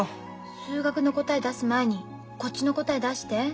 数学の答え出す前にこっちの答え出して。